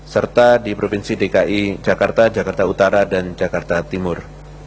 serta di provinsi dki jakarta jakarta utara dan jakarta timur